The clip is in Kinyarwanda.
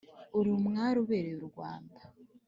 uri umwari ubererye u rwanda